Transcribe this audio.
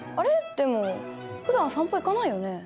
でもふだん散歩行かないよね。